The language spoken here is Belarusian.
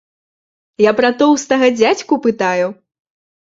Я пра тоўстага дзядзьку пытаю?!